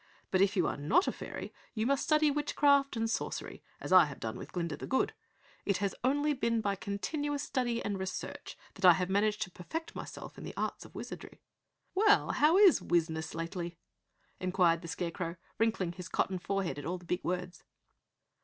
But if you are not a Fairy, you must study witchcraft and sorcery as I have done with Glinda the Good. It only has been by continuous study and research that I have managed to perfect myself in the arts of wizardry." "Well, how is wizness lately?" inquired the Scarecrow, wrinkling his cotton forehead at all the big words.